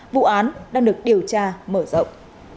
vụ án đang được điều tra mở rộng